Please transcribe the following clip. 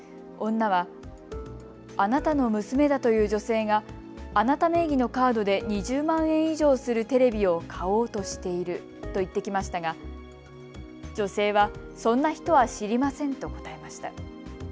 女はあなたの娘だという女性があなた名義のカードで２０万円以上するテレビを買おうとしていると言ってきましたが女性は、そんな人は知りませんと答えました。